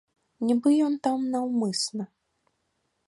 Нібы ён там наўмысна.